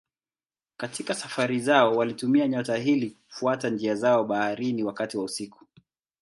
Katika safari zao walitumia nyota ili kufuata njia zao baharini wakati wa usiku.